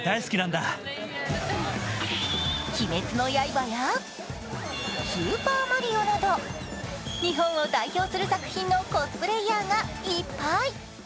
「鬼滅の刃」や「スーパーマリオ」など日本を代表する作品のコスプレーヤーがいっぱい。